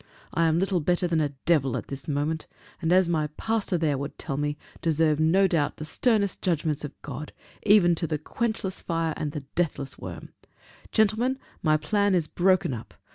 I am little better than a devil at this moment; and as my pastor there would tell me, deserve no doubt the sternest judgments of God, even to the quenchless fire and deathless worm. "Gentlemen, my plan is broken up!